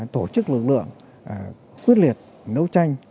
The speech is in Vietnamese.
tổ chức lực lượng quyết liệt đấu tranh